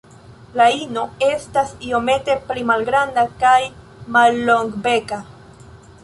La ino estas iomete pli malgranda kaj mallongbeka.